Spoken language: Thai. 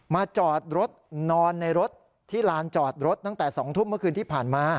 จอดรถนอนในรถที่ลานจอดรถตั้งแต่๒ทุ่มเมื่อคืนที่ผ่านมา